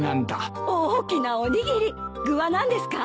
大きなおにぎり具は何ですか？